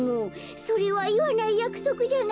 「それはいわないやくそくじゃないの。